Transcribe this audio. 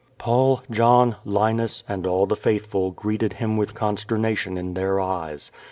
Paul, John, Linus and all the faithful greeted him with consternation in their eyes.